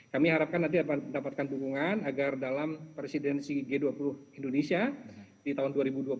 kami harapkan nanti mendapatkan dukungan agar dalam presidensi g dua puluh indonesia di tahun dua ribu dua puluh satu